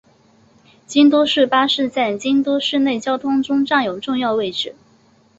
京都市巴士在京都市内交通中占有重要位置。